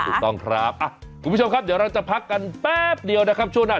ถูกต้องครับคุณผู้ชมครับเดี๋ยวเราจะพักกันแป๊บเดียวนะครับช่วงหน้า